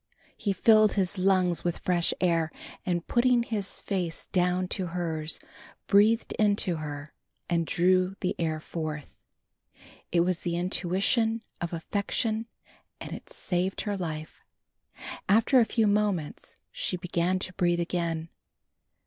He filled his lungs with fresh air and putting his face down to hers breathed into her and drew the air forth. It was the intuition of affection and it saved her life. After a few moments she began to breathe again.